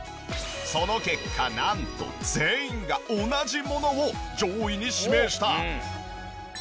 その結果なんと全員が同じものを上位に指名した。